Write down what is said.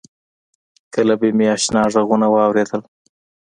کله به مې آشنا غږونه واورېدل.